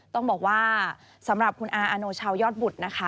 ต้องบอกว่าสำหรับคุณอาอโนชาวยอดบุตรนะคะ